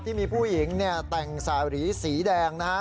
ที่มีผู้หญิงเนี่ยแต่งสารีสีแดงนะฮะ